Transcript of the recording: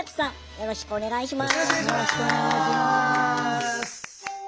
よろしくお願いします。